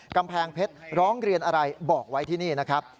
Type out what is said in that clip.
กำแพงเพชรร้องเรียนอะไรบอกไว้ที่นี่นะครับ